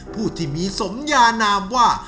ผู้ที่มีสมยานามว่า